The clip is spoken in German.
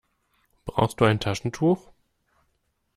Brauchst du ein Taschentuch?